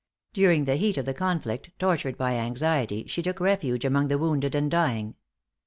During the heat of the conflict, tortured by anxiety, she took refuge among the wounded and dying.